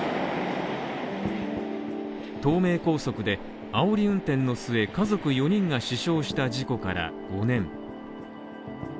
東名高速であおり運転の末家族４人が死傷した事故から５年。